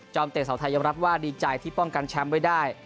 เตะสาวไทยยอมรับว่าดีใจที่ป้องกันแชมป์ไว้ได้